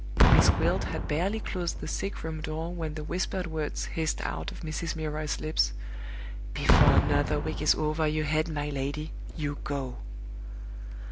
Miss Gwilt had barely closed the sick room door when the whispered words hissed out of Mrs. Milroy's lips, "Before another week is over your head, my lady, you go!"